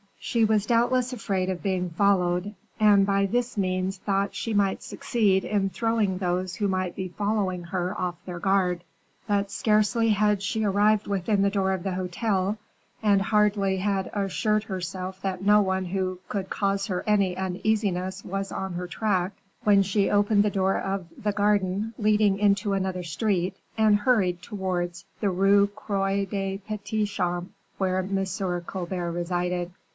She was doubtless afraid of being followed, and by this means thought she might succeed in throwing those who might be following her off their guard; but scarcely had she arrived within the door of the hotel, and hardly had assured herself that no one who could cause her any uneasiness was on her track, when she opened the door of the garden, leading into another street, and hurried towards the Rue Croix des Petits Champs, where M. Colbert resided.